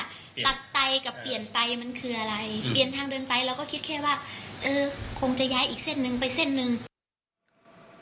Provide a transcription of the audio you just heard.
เปลี่ยนทางเดินไปแล้วก็คิดแค่ว่าคงจะย้ายอีกเส้นหนึ่งไปเส้นหนึ่ง